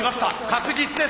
確実です。